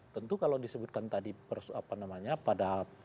tentu kalau disebutkan tadi apa namanya pada